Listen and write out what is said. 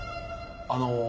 あの。